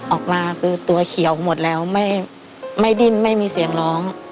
ออกมาคือตัวเขียวหมดแล้วไม่ดิ้นไม่มีเสียงร้อง